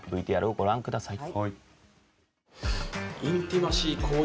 ＶＴＲをご覧ください。